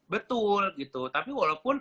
betul gitu tapi walaupun